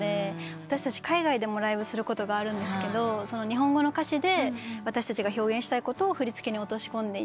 私たち海外でもライブすることがあるんですが日本語の歌詞で私たちが表現したいことを振り付けに落とし込んでいて。